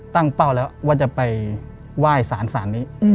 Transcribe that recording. ตั้งเป้าแล้วว่าจะไปไหว้ศาลนี้